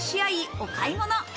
お買い物。